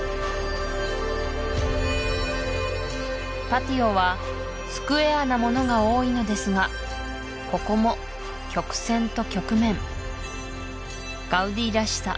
パティオはスクエアなものが多いのですがここも曲線と曲面ガウディらしさ